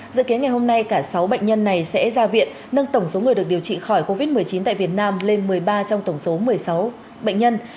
dự kiến ngày hôm nay cả sáu bệnh nhân này sẽ ra viện nâng tổng số người được điều trị khỏi covid một mươi chín tại việt nam lên một mươi ba trong tổng số một mươi sáu bệnh nhân